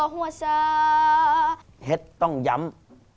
แฮดต้องย้ำ